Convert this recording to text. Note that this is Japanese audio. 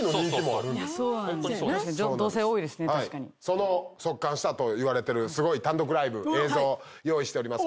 その即完したといわれてるすごい単独ライブ映像用意しております。